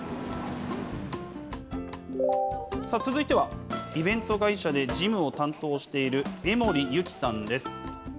続いては、イベント会社で事務を担当している、江守夕起さんです。